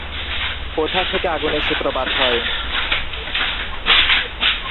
কোথা থেকে আগুনের সূত্রপাত হয়?